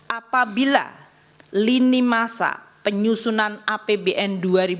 apabila lini masa penyusunan apbn dua ribu dua puluh